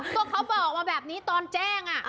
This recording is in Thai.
ก็เขาบอกมาแบบนี้ตอนแจ้ง